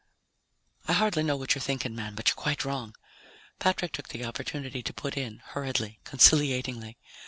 _" "I hardly know what you're thinking, man, but you're quite wrong," Patrick took the opportunity to put in hurriedly, conciliatingly.